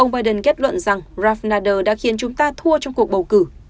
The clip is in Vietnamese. ông biden kết luận rằng ralph nader đã khiến chúng ta thua trong cuộc bầu cử